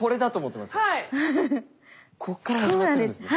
ここから始まってるんですね。